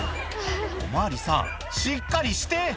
お巡りさんしっかりして！